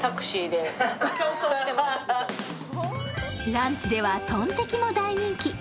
ランチではトンテキも大人気。